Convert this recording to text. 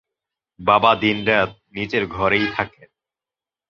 বাবা দিন-রাত নিজের ঘরেই থাকেন।